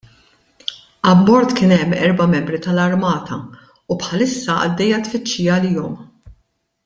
Abbord kien hemm erba' membri tal-Armata u bħalissa għaddejja tfittxija għalihom.